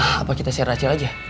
hah apa kita share acil aja